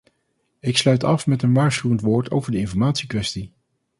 Ik sluit af met een waarschuwend woord over de informatiekwestie.